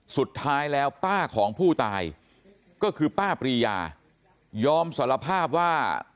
สุดท้ายแล้วป้าของผู้ตายก็คือป้าปรียายอมสารภาพว่า